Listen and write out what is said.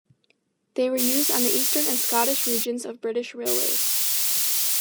They were used on the Eastern and Scottish Regions of British Railways.